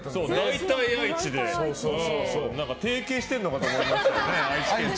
大体、愛知で提携しているのかと思いましたね。